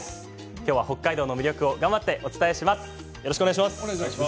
今日は北海道の魅力を頑張ってお伝えします。